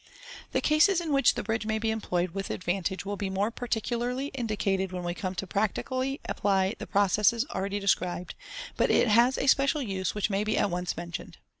The cases in which the bridge may be employed with advantage will be more particularly indicated when we come to practically apply the processes already described, but it has a special use which may be at once men tioned.